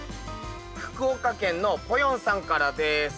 福岡県のぽよんさんからです。